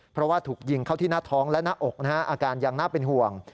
เพราะว่าถูกยิงเข้าที่หน้าท้องและหน้าอกอาการยังน่าเป็นห่วง